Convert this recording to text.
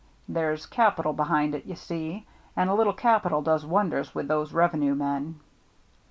There's capital behind it. 54 THE MERRY ANNE you see ; and a little capital does wonders with those revenue men."